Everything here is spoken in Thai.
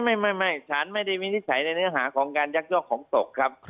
ไม่สารไม่ได้วินิจฉัยในเนื้อหาของการยักยอกของตกครับ